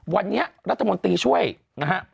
วันนี้รัฐมนตรีช่วยนะฮะ